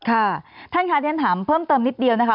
ค่ะท่านค่ะเรียนถามเพิ่มเติมนิดเดียวนะคะ